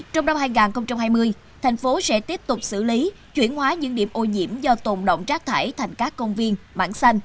trong năm hai nghìn hai mươi thành phố sẽ tiếp tục xử lý chuyển hóa những điểm ô nhiễm do tồn động rác thải thành các công viên mảng xanh